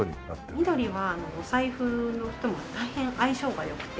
緑はお財布にしても大変相性が良くて。